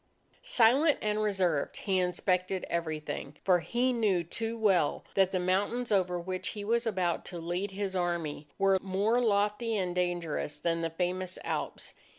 Silent and reserved, he inspected everything. For he knew too well that the mountains over which he was about to lead his Army, were more lofty and dangerous than the famous Alps.